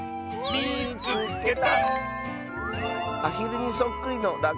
「みいつけた！」。